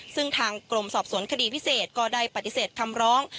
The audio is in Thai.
ซึ่งทางกรมสอบสวนคดีพิเศษก็ได้ปฏิเสธคำร้อง